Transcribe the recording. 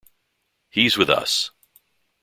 He's with us.